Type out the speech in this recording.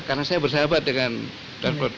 karena saya bersahabat dengan darfur